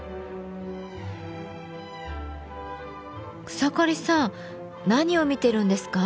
草刈さん何を見てるんですか？